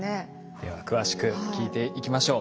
では詳しく聞いていきましょう。